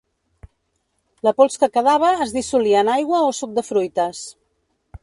La pols que quedava es dissolia en aigua o suc de fruites.